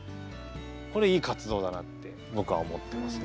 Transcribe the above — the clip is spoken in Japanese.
これいい活動だなって僕は思ってますね。